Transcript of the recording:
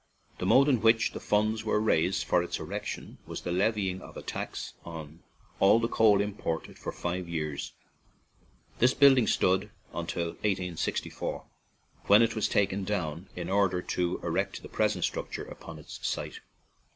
The mode in which the funds were raised for its erection was the levying of a tax on all the coal imported for five years. This building stood until 1864, when it was taken down in order to erect the present structure upon its site.